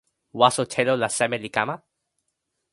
waso telo la seme li kama?